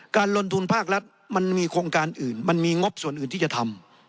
การลงทุนภาครัฐมันมีโครงการอื่นมันมีงบส่วนอื่นที่จะทำ